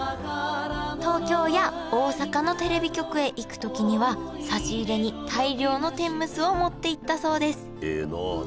東京や大阪のテレビ局へ行くときには差し入れに大量の天むすを持っていったそうです。